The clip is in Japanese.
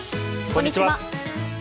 こんにちは。